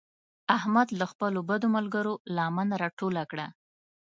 احمد له خپلو بدو ملګرو لمن راټوله کړه.